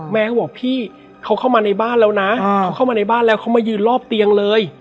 เขาบอกพี่เขาเข้ามาในบ้านแล้วนะเขาเข้ามาในบ้านแล้วเขามายืนรอบเตียงเลย